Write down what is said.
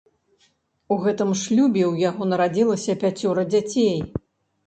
У гэтым шлюбе у яго нарадзілася пяцёра дзяцей.